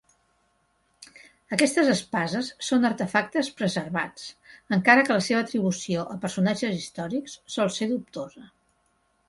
Aquestes espases són artefactes preservats, encara que la seva atribució a personatges històrics sol ser dubtosa.